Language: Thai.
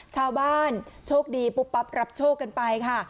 ชาวบ้านโชคดีปุ๊บปั๊บรับโชคกันไปค่ะ